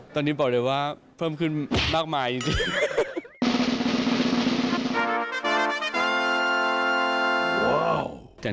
ตอนนี้บอกเลยว่าเพิ่มขึ้นมากมายจริง